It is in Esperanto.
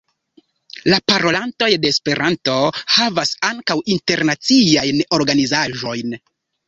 La parolantoj de Esperanto havas ankaŭ internaciajn organizaĵojn.